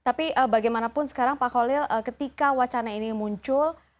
tapi bagaimanapun sekarang pak khalil ketika wacana ini muncul